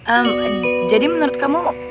ehm jadi menurut kamu